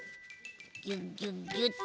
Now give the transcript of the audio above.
ギュギュギュッと。